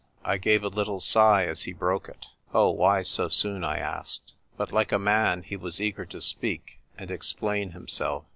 I gave a little sigh as he broke it. "Oh, why so soon ?" I asked. But, like a man, he was eager to speak and explain himself.